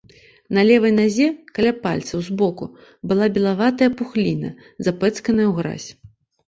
На левай назе, каля пальцаў, збоку, была белаватая пухліна, запэцканая ў гразь.